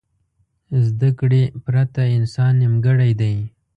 زده کړې پرته انسان نیمګړی دی.